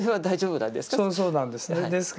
そうなんです。